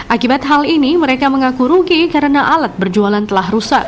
akibat hal ini mereka mengaku rugi karena alat berjualan telah rusak